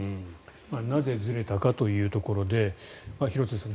なぜずれたかというところで廣津留さん